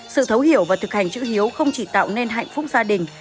sự thấu hiểu và thực hành chữ hiếu không chỉ tạo nên hạnh phúc gia đình